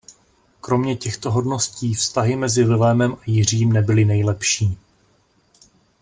Kromě těchto hodností vztahy mezi Vilémem a Jiřím nebyly nejlepší.